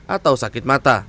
atau sakit mata